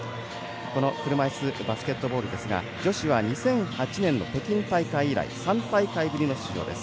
車いすバスケットボールですが女子は２００８年の北京大会以来３大会ぶりの出場です。